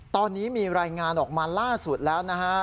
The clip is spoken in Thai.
ตอนนี้มีรายงานออกมาล่าสุดแล้วนะฮะ